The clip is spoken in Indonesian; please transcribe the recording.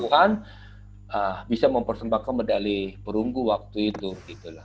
tuhan bisa mempersembahkan medali perunggu waktu itu gitu loh